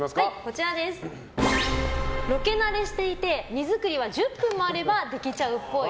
ロケ慣れしていて荷造りは１０分もあればできるっぽい。